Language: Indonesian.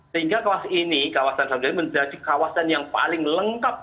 sehingga kawasan ini menjadi kawasan yang paling lengkap